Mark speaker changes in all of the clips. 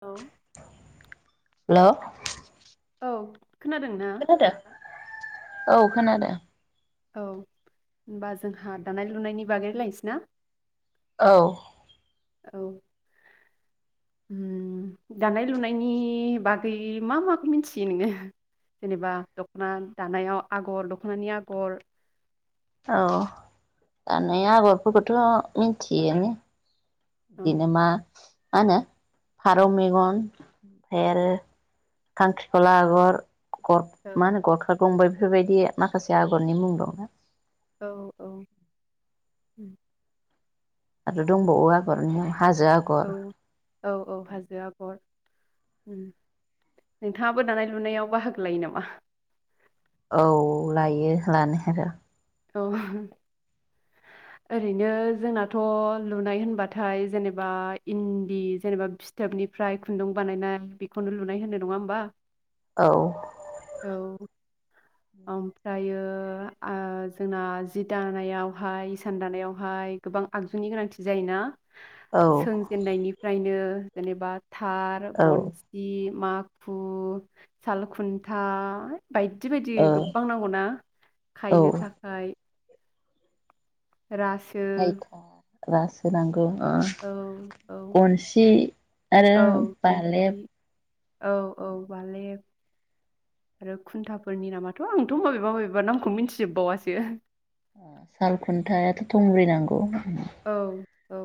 Speaker 1: औ
Speaker 2: हेलौ
Speaker 1: औ खोनादों ना
Speaker 2: खोनादों? औ खोनादो
Speaker 1: औ होनबा जोंहा दानाय लुनायनि बागै लायनसै ना
Speaker 2: औ
Speaker 1: औ उम दानाय लुनायनि बागै मा माखो मिन्थियो नोङो जेनेबा दख'ना दानायाव आगर दख'नानि आगर
Speaker 2: औ दानाय आगरफोरखौथ मिन्थियोआनो
Speaker 1: औ
Speaker 2: दिनो मा मा होनो फारौ मेगन ओमफ्राय आरो खांखिखला आगर गर
Speaker 1: औ
Speaker 2: माहोनो गर [unintelligible] बेफोर बायदिआगरनि मुं दं
Speaker 1: औ औ ओम
Speaker 2: आरो दंबावो आगरनि मुं हाजो आगर
Speaker 1: औ औ औ हाजो आगर नोंथाङाबो दानाय लुनायाव बाहागो लायो नामा?
Speaker 2: औ लायो लानायाथ
Speaker 1: औ ओरैनो जोंनाथ लुनाय होनबाथाय जेनेबा इन्दि जेनेबा फिथोबनिफ्राय खुन्दुं बानायनाय बेखौनो लुनाय होननाय नङा होमबा
Speaker 2: औ
Speaker 1: औ ओमफ्रायो आ जोंना जि दानायावहाय इसान दानायावहाय गोबां आगजुनि गोनांथि जायोना।
Speaker 2: औ
Speaker 1: सोंजेननायनिफ्रायनो जेनेबा थार,
Speaker 2: औ
Speaker 1: गनसि माखु सालखुन्था बायदि-बायदि
Speaker 2: ओ
Speaker 1: गोबां नांगौना खायनो
Speaker 2: औ
Speaker 1: था खाय। रासो
Speaker 2: खायथा रासो नांगौ ओ
Speaker 1: औ-औ-औ
Speaker 2: गनसि आरो बालेब
Speaker 1: गन्सि औ-औ बालेब आरो खुन्थाफोरनि नामाथ आंथ मबेबा-मबेबा नामखौ मिथिजोबबावासो
Speaker 2: साल खुन्थायाथ थंब्रै नांगौ
Speaker 1: औ-औ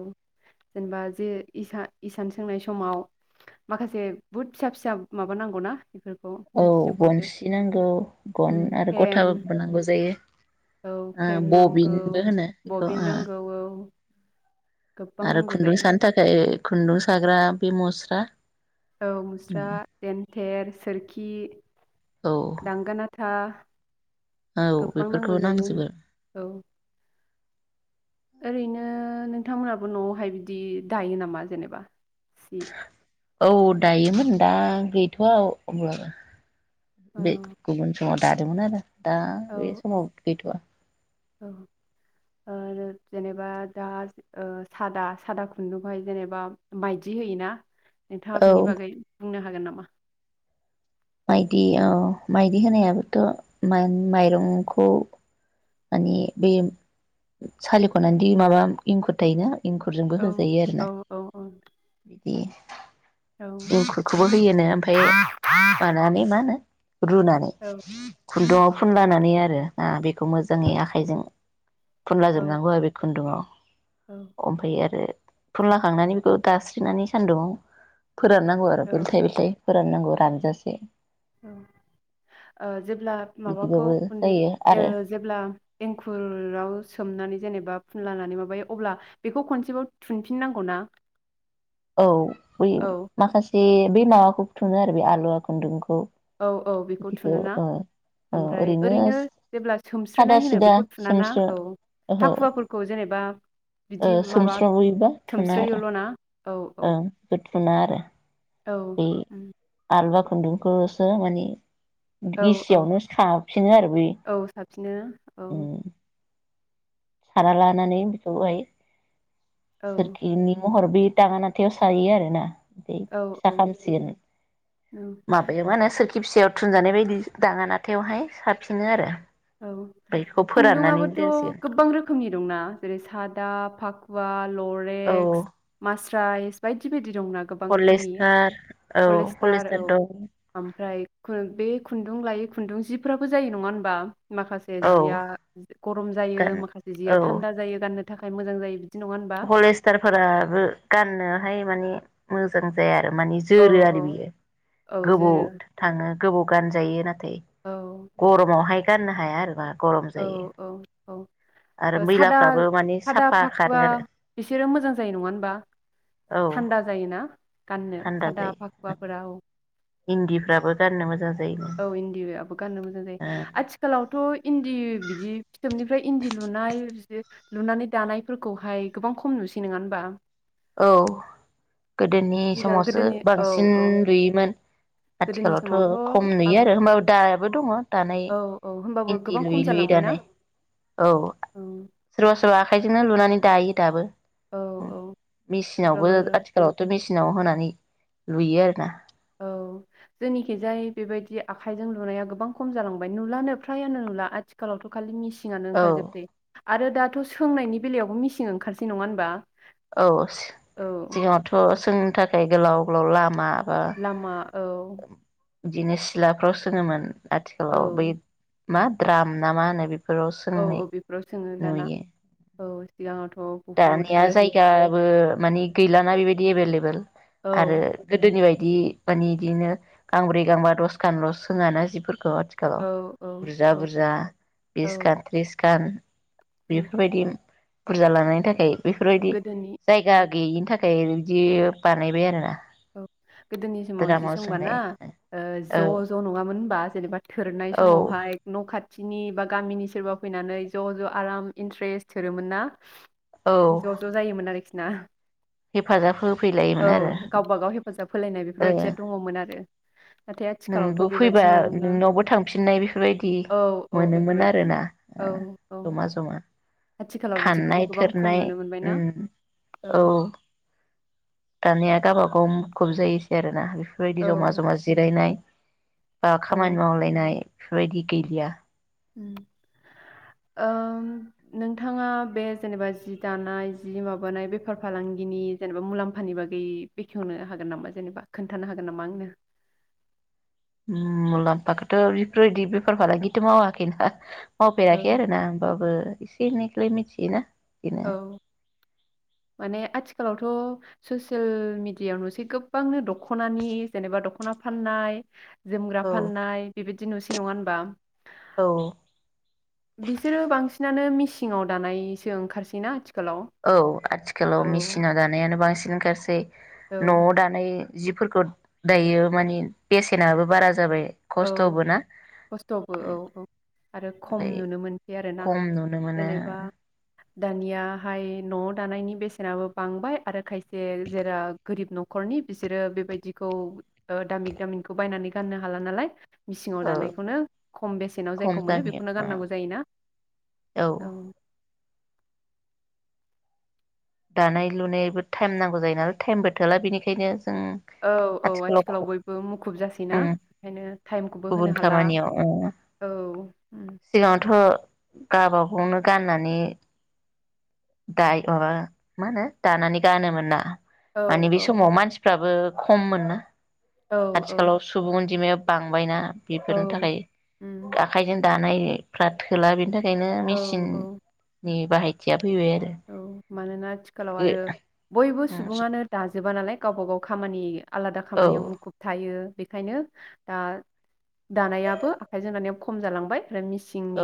Speaker 1: जेनेबा जे इसा-इसान सोंनाय समाव माखासे बुहुद फिसा-फिसा माबा नांगौ ना
Speaker 2: औ गनसि नांगौ गन आरो
Speaker 1: फ्रेम
Speaker 2: गथाबबो नांगौ जायो
Speaker 1: औ फ्रेम
Speaker 2: ओ
Speaker 1: नांगौ
Speaker 2: बबिनबो होनो बेखौ
Speaker 1: बबिन
Speaker 2: ओ
Speaker 1: नांगौ [inaudible] गोबां
Speaker 2: आरो
Speaker 1: नांगौ
Speaker 2: खुन्दुं
Speaker 1: जायो
Speaker 2: सानो थाखाय खुन्दुं साग्रा बे मुस्रा
Speaker 1: औ मुस्रा देन थेर सोरखि
Speaker 2: औ
Speaker 1: दांगोनाथा
Speaker 2: औ बेफोरखौ नांजोबो
Speaker 1: औ ओरैनो नोंथांमोनहाबो नआवहाय बिदि दायो नामा जेनेबा सि
Speaker 2: औ दायोमोन दा गैथवा अब्लाबो।
Speaker 1: औ
Speaker 2: बे [unintelligible] नवाव दादोंमोन आरो। दा
Speaker 1: औ औ
Speaker 2: बेसममाव गैथआ।
Speaker 1: औ ओ जे-जेनेबा दा ओ सादा-सादा खुन्दुंखौहाय जेनेबा मायदि होयोना नोंथाङा
Speaker 2: औ
Speaker 1: बिनिबागै बुंनो हागोन नामा?
Speaker 2: माइदि अ माइदि होनायाबोथ मायन माइरंखौ माने बे सालिखनानैदि माबा इंखुर थायोना। इंखुरजोंबो
Speaker 1: औ
Speaker 2: होजायो
Speaker 1: औ
Speaker 2: आरोना।
Speaker 1: औ औ औ
Speaker 2: [unintelligible] एंखुरखौबो होयोनो ओमफाय मानानै माहोनो। रुनानै।
Speaker 1: औ
Speaker 2: खुन्दुङाव फुनलानानैआरो ना बेखौ मोज जोंनि आखायजों फुनला
Speaker 1: औ
Speaker 2: जोबनांगौआरो खुन्दुङाव।
Speaker 1: औ
Speaker 2: अमफाय आरो फुनलाखांनानै बेखौ दास्रिनानै सान्दुंङाव फोराननांगौ आरो बेलथाय बेलथाय। फोराननांगौ रानजासे।
Speaker 1: औ ओह जेब्ला माबाखौ
Speaker 2: बिदिबाबो
Speaker 1: फुन
Speaker 2: जायो आरो
Speaker 1: ओह जेब्ला एंखुरआव सोमनानै जेनेबा फुनलानानै माबायो अब्ला बेखौ खनसेबाव थुनफिननांगौना?
Speaker 2: औ बै माखासे बे माबाखौबो थुनोआरो बे आलुवा खुन्दुंखौ।
Speaker 1: औ औ बेखौ
Speaker 2: बिदिखौ
Speaker 1: थुनोना
Speaker 2: ओ
Speaker 1: ओमफ्राय ओरैनो जेब्ला
Speaker 2: सादा
Speaker 1: सोमस्रोनायहोनो
Speaker 2: सिदा
Speaker 1: बेखौ थुनाना
Speaker 2: सोमस्रो
Speaker 1: औ फाखुवाफोरखौ जेनेबा बिदि
Speaker 2: ओह
Speaker 1: माबा
Speaker 2: सोमस्रयो बा थुनाआरो।
Speaker 1: सोमस्रोयोल' ना औ औ
Speaker 2: ओ इखो थुनाआरो।
Speaker 1: औ उम
Speaker 2: खुन्दुंखौसो मानि
Speaker 1: औ औ
Speaker 2: गिसियावनो साफिनो आरो बै
Speaker 1: औ साबसिनो औ
Speaker 2: उम सारालानानै बेखौहाय
Speaker 1: औ
Speaker 2: सोरखिनि महर बे दाङानाथायाव सायोआरोना। बे फिसा
Speaker 1: औ
Speaker 2: खामसिगोन
Speaker 1: औ
Speaker 2: माबायाव मा होनो सोर [unintelligible] थुनजानाय बायदि दाङा नाथायावहाय साबफिनो आरो।
Speaker 1: औ
Speaker 2: बैखौ फोराननानै
Speaker 1: खुन्दुंआबोथ'
Speaker 2: दोनसिगोन
Speaker 1: गोबां रो खोमनि दंना जेरै सादा, फाखुवा
Speaker 2: औ
Speaker 1: लरेक्स, मास रायस बायदि बायदि दं ना गोबां रोखोमनि
Speaker 2: पलेस्टार औ
Speaker 1: फलेस्टार औ
Speaker 2: पलेस्टार दं
Speaker 1: ओमफ्राय बे खुन्दुं लायै खुन्दुं जिफोराबो जायो नङा होनबा? माखासे
Speaker 2: औ
Speaker 1: जिया गरम जायो
Speaker 2: गान
Speaker 1: माखासे जिया थान्दा जायो गाननो थाखाय मोजां जायो बिदि नङा होनबा
Speaker 2: भलेस्टारफोराबो गाननो हाय माने मोजां जाया। ओ माने
Speaker 1: औ
Speaker 2: जोरो
Speaker 1: औ
Speaker 2: आरो बियो
Speaker 1: औ
Speaker 2: गोबाव
Speaker 1: जोरो
Speaker 2: थाङो। गोबाव गानजायो ना थे
Speaker 1: औ
Speaker 2: गरमावहाय गाननो हाया आरोबा गरम
Speaker 1: औ
Speaker 2: जायो।
Speaker 1: औ औ
Speaker 2: आरो
Speaker 1: सादा
Speaker 2: मैलाफ्राबो माने
Speaker 1: सादा
Speaker 2: साफा
Speaker 1: फाखुवा
Speaker 2: खारो आरो
Speaker 1: बिसोरो मोजां जायो नङा होनबा
Speaker 2: औ
Speaker 1: थान्दा जायोना गाननो
Speaker 2: थान्दा
Speaker 1: सादा
Speaker 2: जायो
Speaker 1: फाखुवाफोरा औ।
Speaker 2: इन्दिफ्राबो गाननो मोजां जायोनो
Speaker 1: औ इन्दिबायाबो गाननो मोजां जायो
Speaker 2: ओ
Speaker 1: आथिखालावथ' इन्दि बिदि फिथोबनिफ्राय इन्दि लुनाय [unintelligible] लुनानै दानायफोरखौहाय गोबां खम नुसै नङा होनबा?
Speaker 2: औ गोदोनि
Speaker 1: सिगां
Speaker 2: समावसो
Speaker 1: गोदोनि औ
Speaker 2: बांसिन
Speaker 1: औ
Speaker 2: लुयोमोन।
Speaker 1: गोदोनि
Speaker 2: आथिखालावथ'
Speaker 1: समावथ'
Speaker 2: खम
Speaker 1: आब
Speaker 2: नुयो आरो होमबाबो दा बो दङ। दानाय
Speaker 1: औ औ होमबाबो
Speaker 2: इन्दि
Speaker 1: गोबां खम
Speaker 2: लुयै लुयै
Speaker 1: जालांबायना
Speaker 2: दानाय औ
Speaker 1: औ
Speaker 2: सोरबा सोरबा आखाइजोंनो लुनानै दायो दाबो।
Speaker 1: औ औ।
Speaker 2: मेसिनावबो
Speaker 1: अब्लाबो
Speaker 2: आथिखालावथ' मेसिनाव होनानै लुयो आरोना।
Speaker 1: औ जोंनिखिजाय बेबायदि आखाइजों लुनाया गोबां खम जालांबाय नुलानो फ्रायानो नुला आथिखालावथ' खालि मिसि सिङानो
Speaker 2: औ
Speaker 1: ओंखारजोबसै। आरो दाथ' सोंनायनि बेलायावबो मिसिन ओंखारसै नङा होनबा?
Speaker 2: औ [unintelligible]
Speaker 1: औ
Speaker 2: सिगाङावथ' सोंनो थाखाय गोलाव गोलाव लामा
Speaker 1: लामा औ।
Speaker 2: इदिनो सिलाफ्राव सोङोमोन। आथिखालाव
Speaker 1: औ
Speaker 2: बै मा द्राम ना मा होनो बे फोराव
Speaker 1: औ
Speaker 2: सोंनाय
Speaker 1: औ बेफोराव सोङो दाना
Speaker 2: नुयो।
Speaker 1: औ सिगाङावथ' बुहुद
Speaker 2: दानिया
Speaker 1: आरो
Speaker 2: जायगाबो माने गैलाना बेबायदि एभेलेबेल
Speaker 1: औ
Speaker 2: आरो गोदोनि बाय दि माने इदिनो गांब्रै गांबा दसखानल' सोङाना जिफोर थ' आथिखालाव
Speaker 1: औ औ
Speaker 2: बुरजा
Speaker 1: औ
Speaker 2: बुरजा बिसखान थ्रिस [unintelligible]
Speaker 1: औ
Speaker 2: बेफोरबायदि बुरजा लानाय थाखाय बेफोरबायदि
Speaker 1: गोदोनि
Speaker 2: जायगा गैयिनि थाखाय बिदि बानायबाय आरोना?
Speaker 1: औ गोदोनि समाव जि
Speaker 2: द्रामाव सोंनाय
Speaker 1: सोंबाना
Speaker 2: औ
Speaker 1: ओ ज' ज' नङामोन होनबा? जेनबा थोरनाय
Speaker 2: औ
Speaker 1: समावहाय न' खा खाथिनि बा गामिनि सोरबा फैनानै ज' ज' आराम इन्ट्रेस्ट थोरोमोन ना?
Speaker 2: औ
Speaker 1: ज' ज' जायोमोन आरोखि ना?
Speaker 2: हेफाजाब
Speaker 1: औ
Speaker 2: होफैलायोमोन आरो।
Speaker 1: गावबा गाव हेफाजाब होलायनाय
Speaker 2: ओ
Speaker 1: बेफोरबायदिया दङमोन आरो। नाथाय आथिखालावथ'
Speaker 2: नोंबो फैबा
Speaker 1: बेबायदि नंला
Speaker 2: नोंनावबो थांफिननाय बेफोरबायदि
Speaker 1: औ औ
Speaker 2: मोनोमोन आरोना
Speaker 1: बेफोरबायदिमोन
Speaker 2: ओ
Speaker 1: औ औ
Speaker 2: जमा जमा
Speaker 1: आथिखालाव बिदिखौबो
Speaker 2: खाननाय
Speaker 1: गोबां खम
Speaker 2: थोरनाय
Speaker 1: नुनो मोनबायना
Speaker 2: ओम औ। दानिया गावबागाव मुखुब जायोसै आरो ना। बेफोरबायदि
Speaker 1: औ
Speaker 2: जमा जमा जिरायनाय बा खामानि
Speaker 1: औ
Speaker 2: मावलायनाय बेफोरबायदि गैलिया
Speaker 1: ओम, नोंथाङा बे जेनेबा जि दानाय जि माबानाय बेफार फालांगिनि जेनेबा मुलाम्फानि बागै बेखेवनो हागोन नामा जेनेबा खोन्थानो हागोन नामा आंनो?
Speaker 2: ओम, मुलाम्फाखौथ' बेफोरबायदि बेफार फालांगिथ' मावाखैना
Speaker 1: औ
Speaker 2: मावफेराखै आरो ना होमबाबो एसे एनै [unintelligible] मिथियोना
Speaker 1: औ माने आथि खालावथ' ससियेल मिडियाव नुसै गोबांनो दख'नानि जेनेबा दख'ना फाननाय जोमग्रा
Speaker 2: औ
Speaker 1: फाननाय बेबाय दि नुसै नङा होनबा?
Speaker 2: औ।
Speaker 1: बिसोरो बांसिनानो मिसिङाव दानायसो ओंखारसैना आथिख
Speaker 2: औ आथिखालाव मेसिनाव दानायानो बांसिन ओंखारसै।
Speaker 1: औ
Speaker 2: नआव दानाय जिफोरखौ दायो माने बेसेनाबो बारा जाबाय।
Speaker 1: औ
Speaker 2: खस्थ'बो ना
Speaker 1: खस्थबो औ औ आरो खम
Speaker 2: ओमफ्राय
Speaker 1: नुनो मोनसै आरोना
Speaker 2: खम नुनो मोनो
Speaker 1: जेनेबा दानियाहाय न'आव दानायनि बेसेनाबो बांबाय आरो खाय से जेरा गोरिब न'खरनि बिसोरो बेबायदिखौ दामि दामिनखौ बायनानै गाननो हाला नालाय मिसिङाव
Speaker 2: औ
Speaker 1: दानायखौनो खम बेसेनाव
Speaker 2: खम
Speaker 1: जायखौ मोनो बेखौनो
Speaker 2: दामियाव
Speaker 1: गाननांगौ जायोना? औ
Speaker 2: दानाय लुनायबो टाइम नांगौ जायो नालाय टाइमबो थोला। बेनिखायनो जों
Speaker 1: औ औ आथिखालाव बयबो मुखुब जासैना ओंखायनो टाइमखौबो
Speaker 2: गुबुन
Speaker 1: होनो हाला
Speaker 2: खामानियाव
Speaker 1: औ उम।
Speaker 2: गाबागावनो गाननानै दाय माबा मा होनो दानानै गानोमोन ना?
Speaker 1: औ
Speaker 2: मानि बे समाव मानसि फ्राबो खम मोनना।
Speaker 1: औ औ
Speaker 2: आथिखालाव सुबुंअन्जिमाया बांबायना? बेफोरनि
Speaker 1: औ
Speaker 2: थाखाय
Speaker 1: उम
Speaker 2: आखाइजों दानायफ्रा थोला बेनिथा खायनो
Speaker 1: औ औ
Speaker 2: मेसिननि बाहायथिया फैबाय आरो।
Speaker 1: ना आथिखालाव आरो बयबो सुबुङानो दाजोबा नालाय गावब गाव खामानि आलादा
Speaker 2: औ
Speaker 1: खामानियाव मुखुब थायो। बेखायनो दा दानायाबो आखाइजों दानायाव खम जालांबाय। ओमफ्राय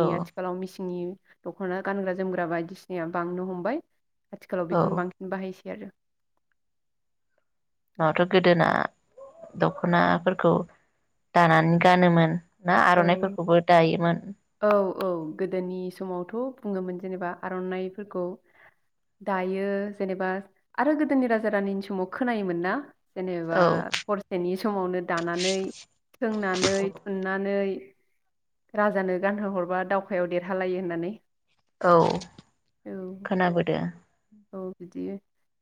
Speaker 2: औ
Speaker 1: आथिखालाव मिसिंनि दखना गानग्रा जोमग्रा बायदिसिनाया बांनो हमबाय। आथिखालाव
Speaker 2: औ
Speaker 1: बेखौनो बांसिन बाहायसै आरो।
Speaker 2: माथो गोदोना दखनाफोरखौ दानानै गानोमोन? ना
Speaker 1: औ
Speaker 2: आरनाइफोरखौबो दायोमोन?
Speaker 1: औ औ गोदोनि समावथ' बुङोमोन जेनेबा आरनाइफोरखौ दायो जेनेबा आरो गोदोनि राजा रानिनि समाव खोनायोमोन ना जेनेबा
Speaker 2: औ
Speaker 1: हरसेनि समावनो दानानै, सोंनानै, थुननानै राजानो गानहो हरबा दावखायाव देरहालायो होननानै।
Speaker 2: औ
Speaker 1: औ
Speaker 2: खोनाबोदो।
Speaker 1: औ बिदि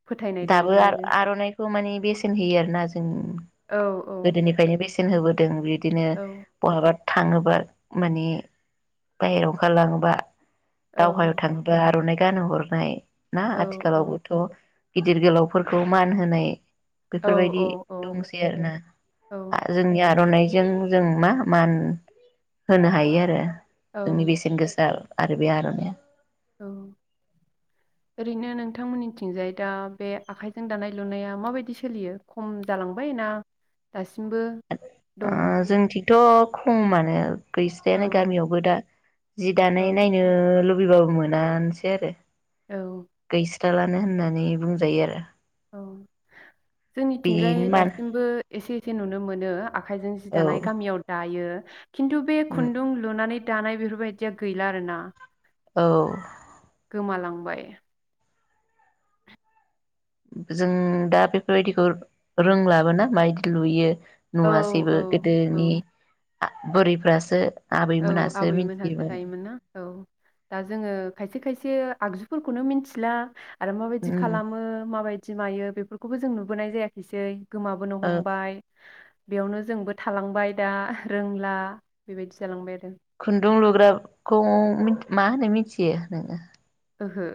Speaker 1: फोथायनाय
Speaker 2: दाबो
Speaker 1: दङमोन आरो
Speaker 2: आरनाइखौ माने बेसेन होयो आरोना जों।
Speaker 1: औ औ
Speaker 2: सेन होबोदों बिद दिनो [unintelligible] थाङोबा माने बाहेरायाव ओंखारलामोबा
Speaker 1: औ
Speaker 2: दावहायाव थाङोबा आरनाइ खो गानहो हरबाय ना
Speaker 1: औ औ
Speaker 2: आथिखालावबोथ गिदिर गोलावफोरखौ मान होनाय बेफोरबायदि
Speaker 1: औ
Speaker 2: दंसै आरो ना
Speaker 1: औ
Speaker 2: जोंनि आरनाइ जों जों मा मान होनो हायो आरो।
Speaker 1: औ
Speaker 2: जोंनि बेसेन गोसा आरो बे आरनाया
Speaker 1: औ ओरैनो नोंथांमोननिथिंजाय दा बे आखाइजों दानाय लुनाया माबायदि सोलियो खम जालांबाय ना दासिम सिमबो दङ।
Speaker 2: थ खमानो
Speaker 1: औ
Speaker 2: गैस्रायानो गामियावबो दा जि दानाय
Speaker 1: औ
Speaker 2: नायनो
Speaker 1: औ
Speaker 2: लुबैबाबो मोनानोसै आरो।
Speaker 1: औ।
Speaker 2: खिथालानो होननानै बुंजायो आरो।
Speaker 1: औ। जोंनिथिंजाय
Speaker 2: बेनि मान
Speaker 1: दासिमबो एसे एसे नुनो मोनो। आखाइजों जि
Speaker 2: औ
Speaker 1: दानाय गामियाव दायो [inaudible] खिन्थु बे
Speaker 2: उम
Speaker 1: खुन्दुं लुनानै दानाय बेफोरबायदिया गैला आरो ना
Speaker 2: औ।
Speaker 1: गोमालांबाय।
Speaker 2: जों दा बेफोरबायदिखौ रोंलाबोना मायदि लुयो
Speaker 1: औ
Speaker 2: नुवासैबो
Speaker 1: औ
Speaker 2: गोदोनि बोरैफ्रासो
Speaker 1: औ
Speaker 2: आबैमोनासो
Speaker 1: आबै मोनहासो
Speaker 2: मिथियोमोन
Speaker 1: दायोमोन ना औ। दा जोङो खायसे खायसे आगजुफोरखौनो मिनथिला आरो माबायदि
Speaker 2: उम
Speaker 1: खालामो माबाय थि मायो बेफोरखौबो जों नुबोनाय जायाखैसै गोमाबोनो
Speaker 2: ओ
Speaker 1: हमबाय बेयावनो जोंबो थालांबाय दा रोंला बेबायदि जालांबाय आरो
Speaker 2: खुन्दुं लुग्राखौ मिन मा होनो मिथियो नोङो?
Speaker 1: ओहो।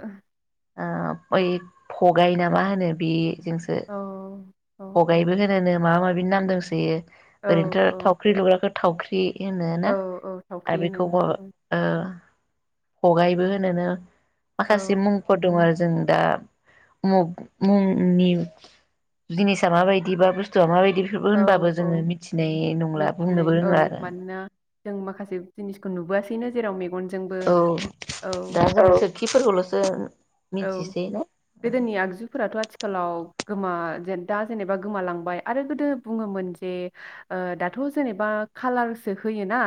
Speaker 2: ओ बै फगाइ ना मा होनो बि
Speaker 1: औ। औ औ
Speaker 2: भगायबो होनो नो मा मा बि नाम दंसयो।
Speaker 1: औ
Speaker 2: ओरैनोथ
Speaker 1: औ
Speaker 2: थावख्रि लुग्राखोट थावख्रि बि होनो
Speaker 1: औ
Speaker 2: ना
Speaker 1: औ थावख्रि
Speaker 2: आरो
Speaker 1: होनो
Speaker 2: बेखौ ओ पगायबो होनो नो
Speaker 1: औ
Speaker 2: माखासे मुंफोर दं आर जों दा मु-मुंनि जिनिसा मा बायदि बा बुस्थुआ माबाय दि बिफोरबो
Speaker 1: औ
Speaker 2: होनबाबो जोङो
Speaker 1: औ
Speaker 2: मिथिनाय नंला
Speaker 1: मिथिनाय
Speaker 2: बुंनोबो
Speaker 1: औ
Speaker 2: रोङला आरो
Speaker 1: मानोना जों माखासे जिनिसखौ नुबोआसैनो जेराव मेग गनजोंबो औ
Speaker 2: खिफोरखौलसो
Speaker 1: औ गोदोनि आगजुफोराथ आथि खालाव गोमा जेन दा जेनेबा गोमालांबाय आरो गोदो बुङोमोन जे ओ दाथ जेनेबा खालारसो होयो ना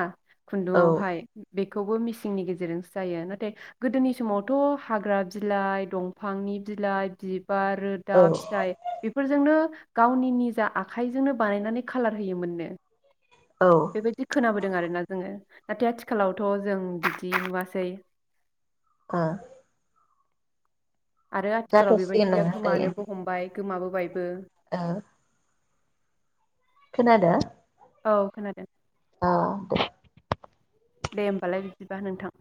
Speaker 2: औ
Speaker 1: खुन्दुंआवहाय बे खौबो मिसिंनि गेजेरजोंसो जायो नाथाय गोदोनि समावथ हाग्रा बिलाइ दंफांनि बिलाइ बि बार रोदा
Speaker 2: औ
Speaker 1: फिथाइ बेफोरजोंनो गावनि निजा आखाइजोंनो बानायनानै कालार होयोमोननो
Speaker 2: औ
Speaker 1: बेबायदि खोनाबोदों आरोना जोङो नाथाय आथिखालावथ' जों बिदि नुवाखै
Speaker 2: ओ
Speaker 1: आरो आथिखालाव
Speaker 2: जाथ'सिगोन
Speaker 1: बेबायदिया
Speaker 2: नामा दायो
Speaker 1: गोमानोबो हमबाय गोमाबोबाय
Speaker 2: ओ खोनादो
Speaker 1: औ खोनादों
Speaker 2: अह दे
Speaker 1: दे होमबालाय बिदिबा नोंथां।